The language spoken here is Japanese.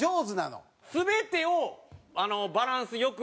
全てをバランス良く。